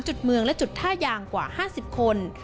จุดเมืองและจุดท่ายางกว่า๕๐คน